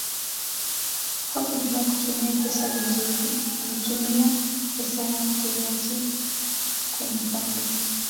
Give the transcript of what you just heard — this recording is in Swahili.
hakujua kutumia pesa vizuri alitumia pesa yake yote kwenye pombe